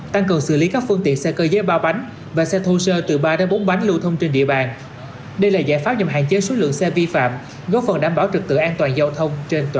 tăng cường xử lý các phương tiện xe cơ dây ba bánh và xe thô sơ từ ba đến bốn bánh lưu thông trên địa bàn